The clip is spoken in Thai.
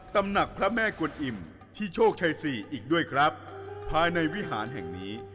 ตำหนักพระแม่กวนอิ่มที่โชคชัยสี่อีกด้วยครับภายในวิหารแห่งนี้